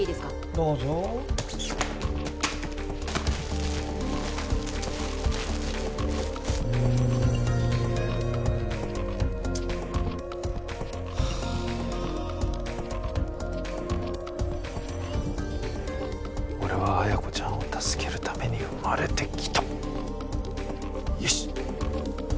どうぞうんはあ俺は彩子ちゃんを助けるために生まれてきたよし！